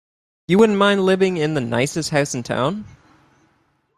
You wouldn't mind living in the nicest house in town.